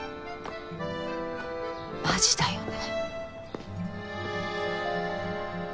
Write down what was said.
マジだよね。